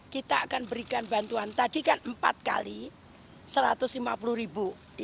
kita akan berikan bantuan tadi kan empat kali satu ratus lima puluh